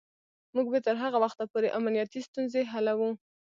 موږ به تر هغه وخته پورې امنیتی ستونزې حلوو.